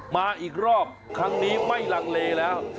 มาอีกรอบครั้งนี้ไม่ลังเลแล้ว